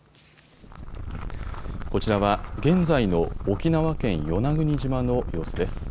こちらは現在の沖縄県与那国島の様子です。